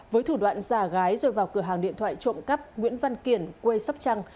với thủ đoạn giả gái rồi vào cửa hàng điện thoại trộm cắp nguyễn văn kiển quê sắp trăng